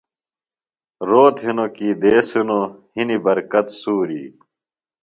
روت ہِنوۡ کیۡ دیس ہِنوۡ ، ہِنیۡ برکت سُور ی